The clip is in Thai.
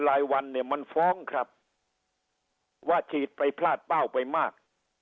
รายวันเนี่ยมันฟ้องครับว่าฉีดไปพลาดเป้าไปมาก